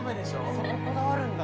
そここだわるんだ。